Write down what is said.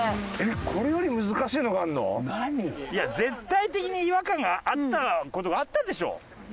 いや絶対的に違和感があった事があったでしょ？